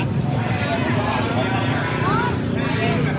การประตูกรมทหารที่สิบเอ็ดเป็นภาพสดขนาดนี้นะครับ